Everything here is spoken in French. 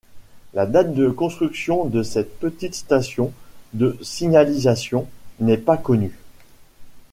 La date de construction de cette petite station de signalisation n'est pas connue.